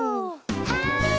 はい。